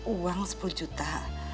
uang sepuluh juta